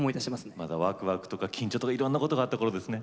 まだわくわくとか緊張とかいろんなことがあった頃ですね。